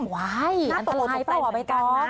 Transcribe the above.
ง่าตัวตกใตกลงเหมือนกันนะ